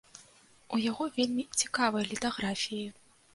У яго вельмі цікавыя літаграфіі.